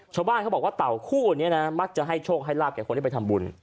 ชาวบ้านเขาบอกว่าเต่าคู่นี้นะมักจะให้โชคให้ลาบกับคนที่ไปทำบุญ